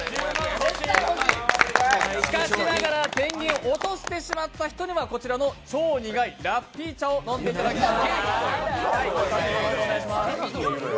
しかしながらペンギンを落としてしまった人にはこちらの超苦いラッピー茶を飲んでいただきます。